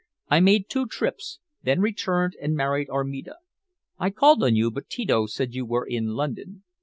I made two trips, then returned and married Armida. I called on you, but Tito said you were in London.